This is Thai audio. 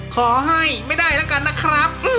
ขอให้ไม่ได้แล้วกันนะครับ